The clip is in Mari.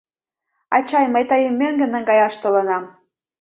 Ачай, мый тыйым мӧҥгӧ наҥгаяш толынам.